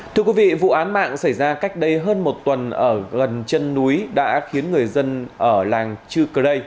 thưa quý vị vụ án mạng xảy ra cách đây hơn một tuần ở gần chân núi đã khiến người dân ở làng chư cơ rây